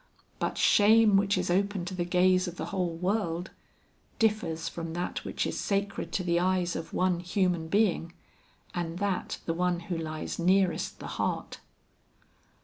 But shame which is open to the gaze of the whole world, differs from that which is sacred to the eyes of one human being, and that the one who lies nearest the heart.